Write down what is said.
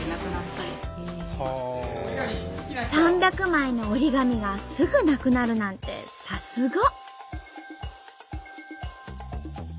３００枚の折り紙がすぐなくなるなんてさすが！